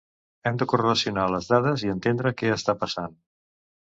Hem de correlacionar les dades i entendre què està passant.